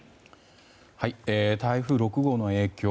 台風６号の影響